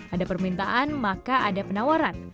ada permintaan maka ada penawaran